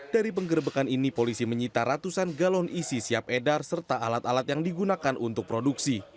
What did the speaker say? dari penggerbekan ini polisi menyita ratusan galon isi siap edar serta alat alat yang digunakan untuk produksi